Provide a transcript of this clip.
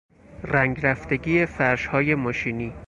رنگ رفتگی فرشهای ماشینی